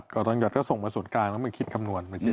ก็ต้องอยากจะส่งมาส่วนกลางแล้วคิดคำนวณ